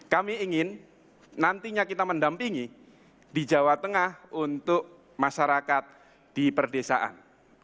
kami ingin nantinya kita mendampingi di jawa tengah untuk masyarakat di perdesaan